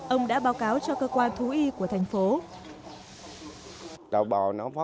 ông đã báo cáo cho cơ quan thú y của thành phố